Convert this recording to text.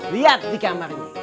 lihat di kamar ini